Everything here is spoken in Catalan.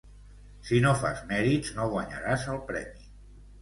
Si no fas mèrits no guanyaràs el premi.